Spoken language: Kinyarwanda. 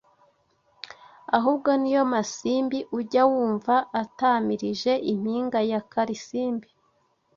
ahubwo ni yo masimbi ujya wumva atamirije impinga ya Karisimbi